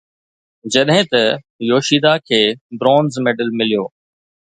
جڏهن ته يوشيدا کي برونز ميڊل مليو